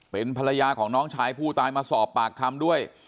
เป็นภรรยาของน้องชายผู้ตายมาสอบปากคำด้วย